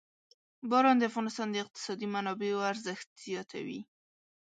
باران د افغانستان د اقتصادي منابعو ارزښت زیاتوي.